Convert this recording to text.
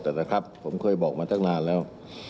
แต่นะครับผมเคยบอกมาตั้งนานแล้ว